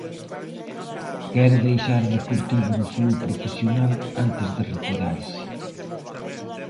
Quere deixar o Deportivo no fútbol profesional antes de retirarse.